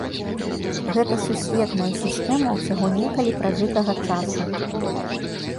Гэта сусветная сістэма ўсяго некалі пражытага часу.